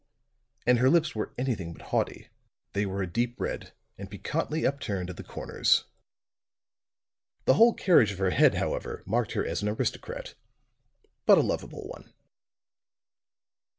And her lips were anything but haughty; they were a deep red and piquantly upturned at the corners. The whole carriage of her head, however, marked her as an aristocrat, but a lovable one.